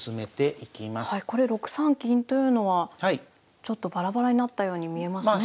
これ６三金というのはちょっとバラバラになったように見えますね。